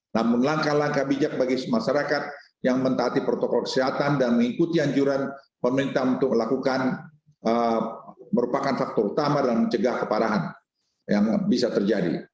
namun langkah langkah bijak bagi masyarakat yang mentaati protokol kesehatan dan mengikuti anjuran pemerintah untuk melakukan merupakan faktor utama dalam mencegah keparahan yang bisa terjadi